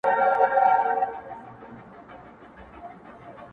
کنعان خوږ دی قاسم یاره د یوسف له شرافته،